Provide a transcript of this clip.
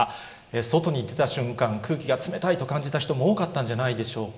外に出た瞬間、空気が冷たいと感じた人も多かったんじゃないでしょうか。